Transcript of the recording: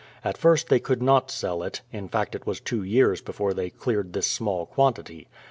At first they could not sell it — in fact it was two years before they cleared this small quantity.